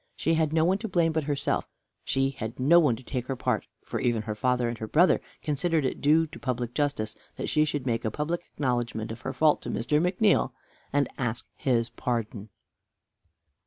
She had no one to blame but herself; she had no one to take her part, for even her father and her brother considered it due to public justice that she should make a public acknowledgment of her fault to Mr. McNeal, and to ask his pardon.